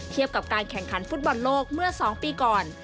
กับการแข่งขันฟุตบอลโลกเมื่อ๒ปีก่อน